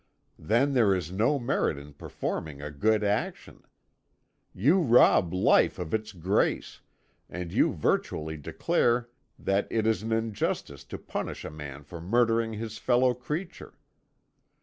Then there is no merit in performing a good action. You rob life of its grace, and you virtually declare that it is an injustice to punish a man for murdering his fellow creature.